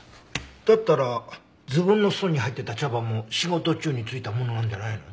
だったらズボンの裾に入ってた茶葉も仕事中に付いたものなんじゃないの？